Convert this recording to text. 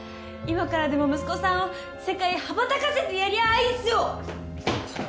今からでも息子さんを世界へ羽ばたかせてやりゃあいいんすよ！